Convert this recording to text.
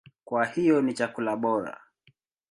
Kwa hiyo ni chakula bora.